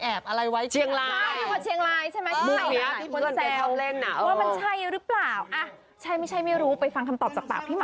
อะไรวะอันนี้วัน๕นี่มีเรื่องอะไรวะ